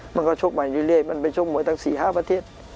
มันก็ชกมาเรื่อยมันไปชกมวยตั้ง๔๕ประเทศ